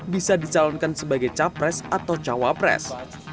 bisa dicalonkan sebagai cawapres atau cawapres